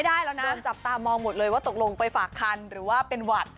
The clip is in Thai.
ได้แล้วนะโดนจับตามองหมดเลยว่าตกลงไปฝากคันหรือว่าเป็นหวัด